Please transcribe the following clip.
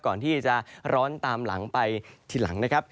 ก่อนที่จะร้อนตามหลังไปทีหลังนะครับ